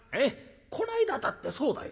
こないだだってそうだよ。